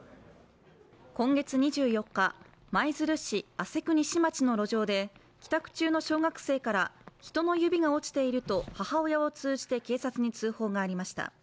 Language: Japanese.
今月２４日、舞鶴市朝来西町の路上で帰宅中の小学生から人の指が落ちていると母親を通じて警察に通報がありました。